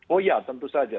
oh iya tentu saja